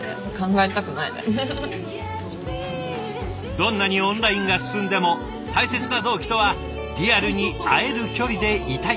どんなにオンラインが進んでも大切な同期とはリアルに会える距離でいたい。